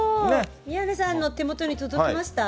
宮根さんの手元に届きました？